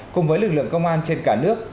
cùng với lực lượng công an trên cả nước